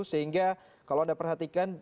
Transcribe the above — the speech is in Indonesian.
sehingga kalau anda perhatikan